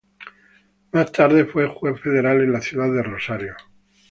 Más tarde fue juez federal en la ciudad de Rosario.